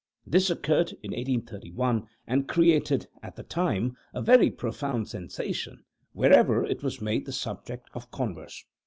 This occurred in 1831, and created, at the time, a very profound sensation wherever it was made the subject of converse.